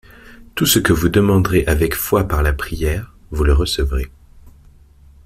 Tout ce que vous demanderez avec foi par la prière, vous le recevrez.